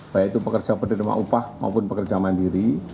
baik itu pekerja penerima upah maupun pekerja mandiri